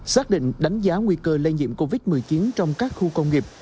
xác định đánh giá nguy cơ lây nhiễm covid một mươi chín trong các khu công nghiệp